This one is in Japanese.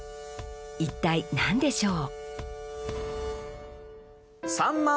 一体何でしょう？